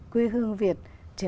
quê hương việt